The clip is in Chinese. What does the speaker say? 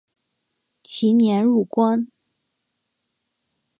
其年入关。